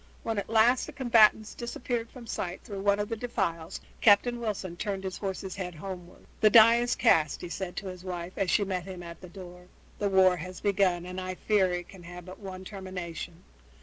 When at last the combatants disappeared from sight through one of the defiles Captain Wilson turned his horse's head homeward. "The die is cast," he said to his wife as she met him at the door. "The war has begun, and I fear it can have but one termination.